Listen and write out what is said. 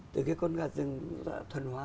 từ cái con gà rừng thuần hóa